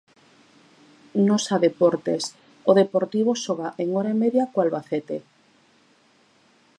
Nosa deportes, o Deportivo xoga en hora e media co Albacete.